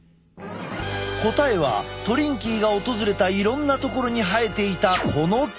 答えはトリンキーが訪れたいろんな所に生えていたこの木。